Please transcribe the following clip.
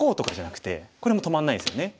これも止まんないですよね。